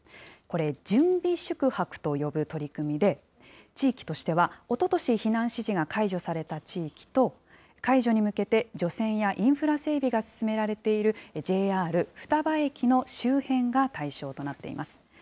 これ、準備宿泊と呼ぶ取り組みで、地域としては、おととし避難指示が解除された地域と、解除に向けて除染やインフラ整備が進められている、ＪＲ双葉駅の周辺が対象となっています。